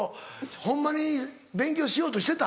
ホンマに勉強しようとしてた？